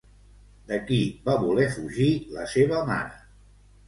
De qui va voler fugir la seva mare?